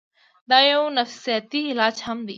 دا يو نفسياتي علاج هم دے